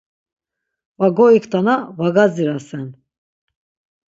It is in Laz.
Var goiktana var gadzirasen.